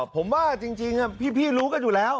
ผมว่าจริงพี่รู้กันอยู่แล้ว